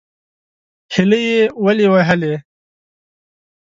_هيلۍ يې ولې وهلې؟